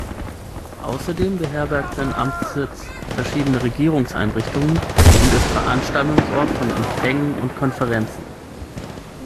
Außerdem beherbergt sein Amtssitz verschiedene Regierungseinrichtungen und ist Veranstaltungsort von Empfängen und Konferenzen.